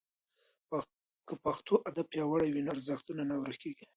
که پښتو ادب پیاوړی وي نو ارزښتونه نه ورکېږي.